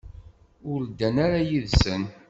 Ur ddan ara yid-sen.